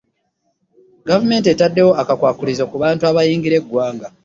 Gavumenti etaddewo akakwakulizo ku bantu abayingira eggwanga.